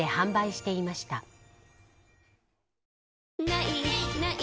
「ない！ない！